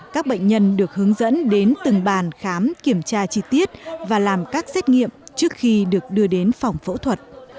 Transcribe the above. các bệnh nhân được hướng dẫn đến từng bàn khám kiểm tra chi tiết và làm các xét nghiệm trước khi được đưa đến phòng phẫu thuật